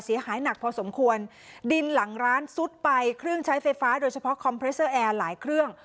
เสียหายหนักพอสมควรดินหลังร้านซุดไปเครื่องใช้ไฟฟ้าโดยเฉพาะคอมเพรสเตอร์แอร์หลายเครื่อง